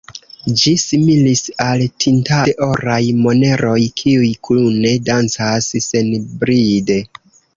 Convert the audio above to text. Ĝi similis al tintado de oraj moneroj, kiuj kune dancas senbride.